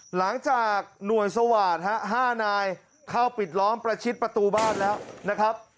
หลังจากหน่วยสวาสตร์๕นายเข้าปิดล้อมประชิดประตูบ้านแล้วนะครับ